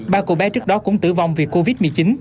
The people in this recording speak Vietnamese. ba cô bé trước đó cũng tử vong vì covid một mươi chín